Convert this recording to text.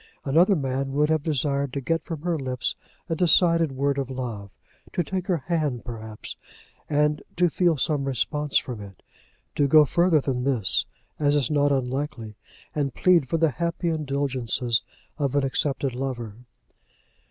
Another man would have desired to get from her lips a decided word of love, to take her hand, perhaps, and to feel some response from it, to go further than this, as is not unlikely, and plead for the happy indulgences of an accepted lover.